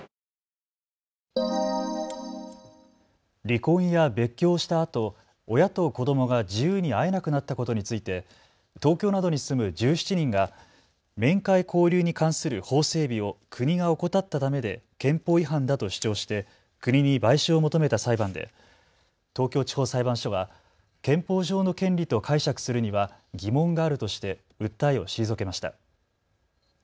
離婚や別居をしたあと親と子どもが自由に会えなくなったことについて東京などに住む１７人が面会交流に関する法整備を国が怠ったためで憲法違反だと主張して国に賠償を求めた裁判で東京地方裁判所は憲法上の権利と解釈するには疑問があるとして訴えを退けました。